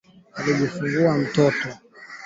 Hii ilikua idhaa ya kwanza ya lugha ya Kiafrika